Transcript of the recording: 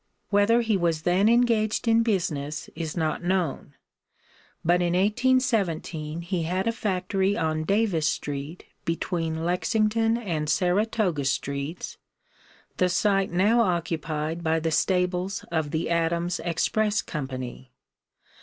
Whether he was then engaged in business is not known, but in 1817 he had a factory on Davis street between Lexington and Saratoga streets, the site now occupied by the stables of the Adams Express Company.